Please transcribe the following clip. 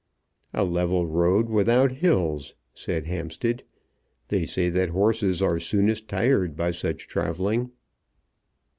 "A level road without hills," said Hampstead. "They say that horses are soonest tired by such travelling."